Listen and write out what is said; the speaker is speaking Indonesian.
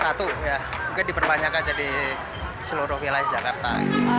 satu ya juga diperbanyak aja di seluruh wilayah jakarta